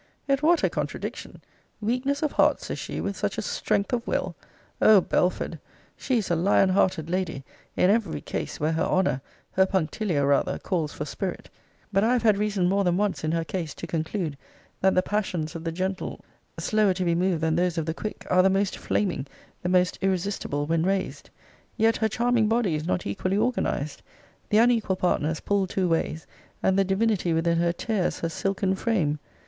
Yet what a contradiction! Weakness of heart, says she, with such a strength of will! O Belford! she is a lion hearted lady, in every case where her honour, her punctilio rather, calls for spirit. But I have had reason more than once in her case, to conclude, that the passions of the gentle, slower to be moved than those of the quick, are the most flaming, the most irresistible, when raised. Yet her charming body is not equally organized. The unequal partners pull two ways; and the divinity within her tears her silken frame.